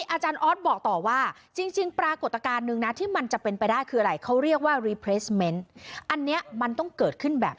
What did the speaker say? อาจารย์ออสบอกต่อว่าจริงปรากฏการณ์นึงนะที่มันจะเป็นไปได้คืออะไร